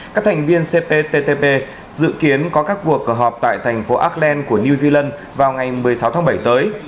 các thành viên cptp dự kiến có các cuộc họp tại thành phố acland của new zealand vào ngày một mươi sáu tháng bảy tới